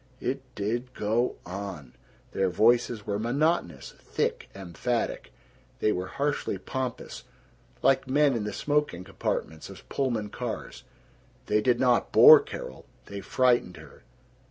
It did go on! Their voices were monotonous, thick, emphatic. They were harshly pompous, like men in the smoking compartments of Pullman cars. They did not bore Carol. They frightened her.